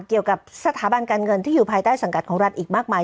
เกี่ยวกับสถาบันการเงินที่อยู่ภายใต้สังกัดของรัฐอีกมากมาย